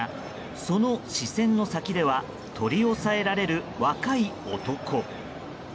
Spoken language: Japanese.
その視線の先では取り押さえられる若い男。